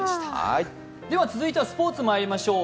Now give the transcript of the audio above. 続いてはスポーツにまいりましょう。